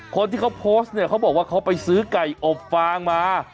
คนที่เขาโพสต์เนี่ยเขาบอกว่าเขาไปซื้อไก่อบฟางมา